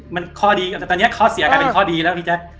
มันข้อดีกับแต่ตอนนี้ข้อเสียกลายเป็นข้อดีแล้วพี่แจ๊ค